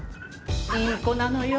いい子なのよ